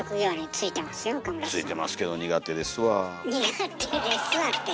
就いてますけど「苦手ですわ」て。